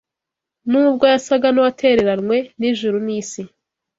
Nubwo yasaga n’uwatereranwe n’ijuru n’isi